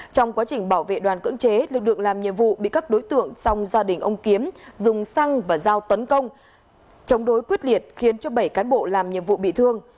trong quá trình bảo vệ đoàn cưỡng chế lực lượng làm nhiệm vụ bị các đối tượng song gia đình ông kiếm dùng xăng và dao tấn công chống đối quyết liệt khiến cho bảy cán bộ làm nhiệm vụ bị thương